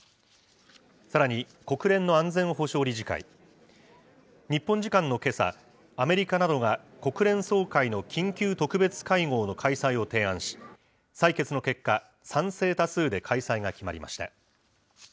さらに国連の安全保障理事会。日本時間のけさ、アメリカなどが国連総会の緊急特別会合の開催を提案し、採決の結果、賛成多数で開催が決まりました。